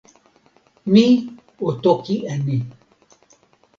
mi o toki e ni: